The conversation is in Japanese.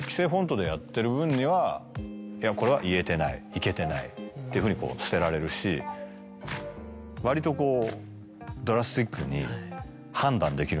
イケてないっていうふうに捨てられるし割とこう。